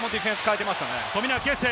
富永啓生。